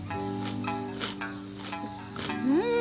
うん！